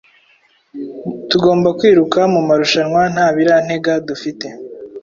Tugomba kwiruka mu marushanwa nta birantega dufite.